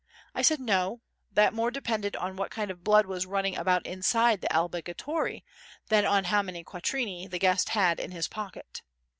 I said, No; that more depended on what kind of blood was running about inside the albergatore than on how many quattrini the guest had in his pocket.